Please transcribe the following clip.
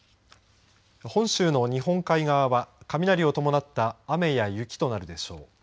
本州の日本海側は雷を伴った雨や雪となるでしょう。